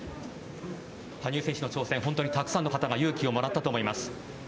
羽生選手の挑戦、本当にたくさんの方が勇気をもらったと思います。